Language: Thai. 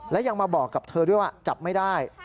และยังมาบอกกับเธอด้วยว่าจับไม่ได้